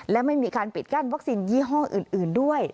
และไม่มีการปิดกั้นวัคซีนยี่ห้ออื่นด้วย